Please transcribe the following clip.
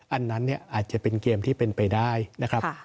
อันนั้นเนี่ยอาจจะเป็นเกมที่เป็นไปได้นะครับ